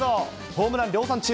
ホームラン量産中。